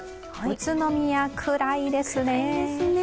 宇都宮、暗いですね。